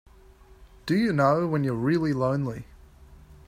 Do you know when you're really lonely?